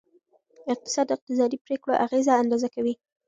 اقتصاد د اقتصادي پریکړو اغیزه اندازه کوي.